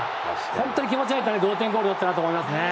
本当に気持ちの入った同点ゴールだったと思いますね。